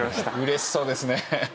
嬉しそうですね。